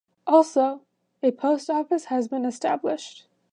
Also, a post office has been established.